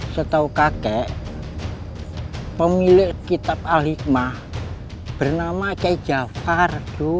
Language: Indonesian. setau kakek pemilik kitab al hikmah bernama kiai jafar